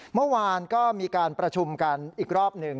เมื่อวานก็มีการประชุมกันอีกรอบหนึ่ง